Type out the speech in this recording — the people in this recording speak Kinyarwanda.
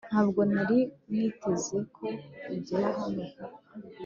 ntabwo nari niteze ko ugera hano vuba